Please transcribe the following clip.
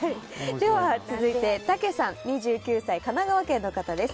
では続いて、２９歳神奈川県の方です。